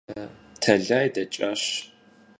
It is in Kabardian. Тэлай дэкӀащ.